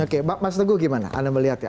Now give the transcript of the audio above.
oke mas teguh gimana anda melihat ya